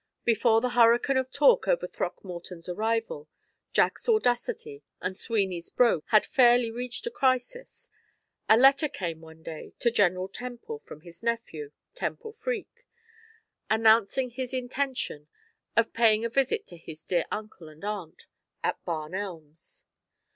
Before the hurricane of talk over Throckmorton's arrival, Jack's audacity, and Sweeney's brogue had fairly reached a crisis, a letter came one day to General Temple, from his nephew, Temple Freke, announcing his intention of paying a visit to his dear uncle and aunt at Barn Elms.